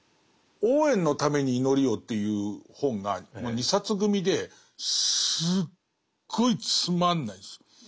「オウエンのために祈りを」という本が２冊組ですっごいつまんないんですよ。